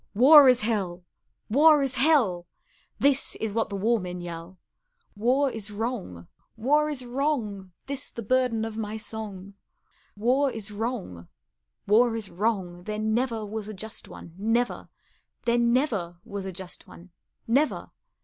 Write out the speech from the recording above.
War is hell, war is hell! This is what the war men yell; War is wrong, war is wrong This the burden of my song; War is wrong, war is wrong, There never was a just one, Never; There never was a just one, Never.